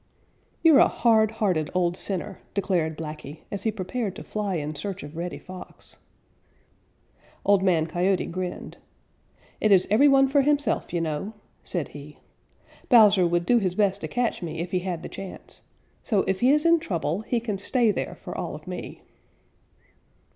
"You're a hard hearted old sinner," declared Blacky, as he prepared to fly in search of Reddy Fox. Old Man Coyote grinned. "It is every one for himself, you know," said he. "Bowser would do his best to catch me if he had the chance. So if he is in trouble, he can stay there for all of me."